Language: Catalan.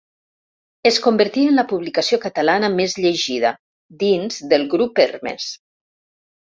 Es convertí en la publicació catalana més llegida, dins del grup Hermes.